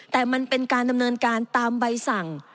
แต่มันเป็นการดำเนินการตามใบสั่ง